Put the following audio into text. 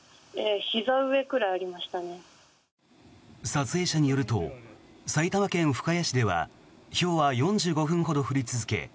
撮影者によると埼玉県深谷市ではひょうは４５分ほど降り続け